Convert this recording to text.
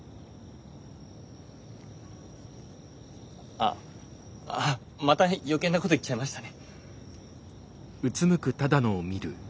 あっまた余計なこと言っちゃいましたね。